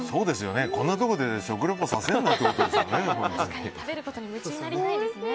こんなところで食リポさせるなってことですよね。